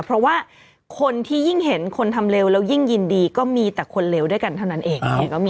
เพราะว่าคนที่ยิ่งเห็นคนทำเร็วแล้วยิ่งยินดีก็มีแต่คนเลวด้วยกันเท่านั้นเอง